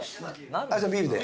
じゃあビールで。